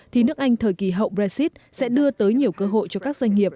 thì nước anh thời kỳ hậu brexit sẽ đưa tới nhiều cơ hội cho các doanh nghiệp